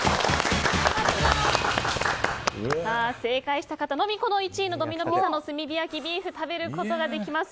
正解した方のみこの１位のドミノ・ピザの炭火焼ビーフ食べることができます。